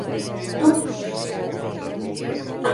Tukšs!